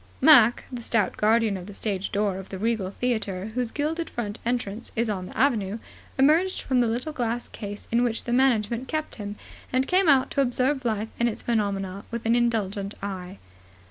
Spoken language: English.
Mac, the stout guardian of the stage door of the Regal Theatre, whose gilded front entrance is on the Avenue, emerged from the little glass case in which the management kept him, and came out to observe life and its phenomena with an indulgent eye.